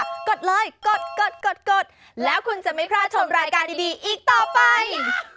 กดเลยกดกดแล้วคุณจะไม่พลาดชมรายการดีอีกต่อไป